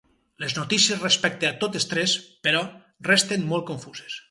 Les notícies respecte a totes tres, però, resten molt confuses.